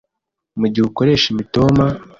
Mu gihe ukoresha imitoma,